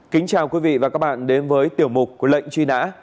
kính chào quý vị và các bạn đến với tiểu mục của lệnh truy nã